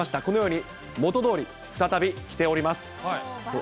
このように元どおり、再び着ております。